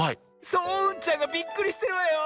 そううんちゃんがびっくりしてるわよ。